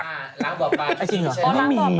จริงเหรอ